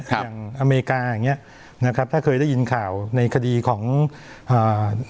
อย่างอเมริกาอย่างเงี้ยนะครับถ้าเคยได้ยินข่าวในคดีของอ่า